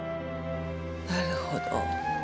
なるほど。